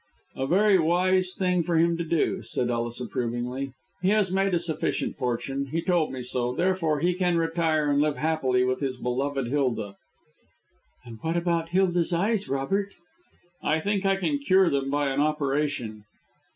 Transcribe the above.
"A very wise thing for him to do," said Ellis, approvingly. "He has made a sufficient fortune he told me so; therefore he can retire and live happily with his beloved Hilda." "And what about Hilda's eyes, Robert?" "I think I can cure them by an operation."